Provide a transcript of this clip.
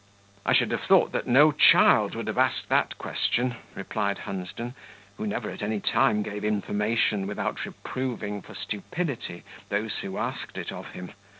"I should have thought no child would have asked that question," replied Hunsden, who never at any time gave information without reproving for stupidity those who asked it of him.